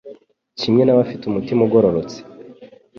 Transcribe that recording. kimwe n’abafite umutima ugororotse